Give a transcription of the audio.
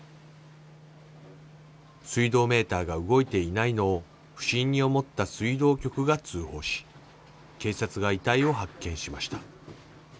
水道メーターが動いていないのを不審に思った水道局が通報し、警察が遺体を発見しました。